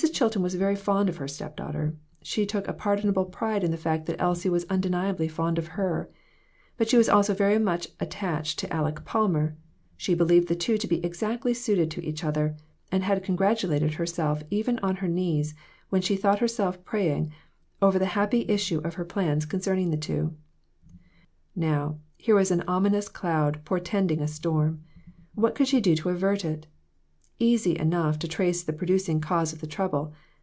Chilton was very fond of her step daughter ; she took a pardonable pride in the fact that Elsie was undeniably fond of her; she was also very much attached to Aleck Palmer ; she believed the two to be exactly suited to each other, and had congratulated her self even on her knees, when she thought her self praying, over the happy issue of her plans concerning the two. Now, here was an ominous cloud portending a storm. What could she do to avert it ? Easy enough to trace the producing cause of the trouble.